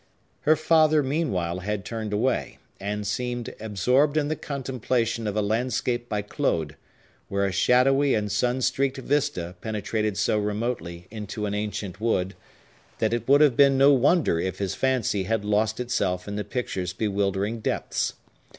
Her father meanwhile had turned away, and seemed absorbed in the contemplation of a landscape by Claude, where a shadowy and sun streaked vista penetrated so remotely into an ancient wood, that it would have been no wonder if his fancy had lost itself in the picture's bewildering depths.